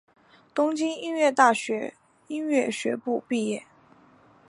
东京音乐大学音乐学部毕业。